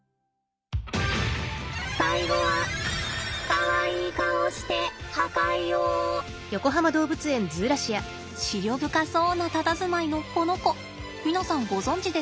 最後はかわいい顔して思慮深そうなたたずまいのこの子皆さんご存じですか？